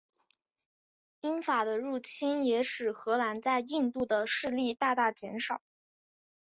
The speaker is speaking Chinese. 英法的入侵也使荷兰在印度的势力大大减少。